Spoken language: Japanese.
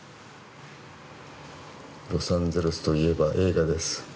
ロサンゼルスといえば映画です。